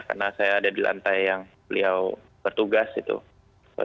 karena saya ada di lantai yang beliau bertugas itu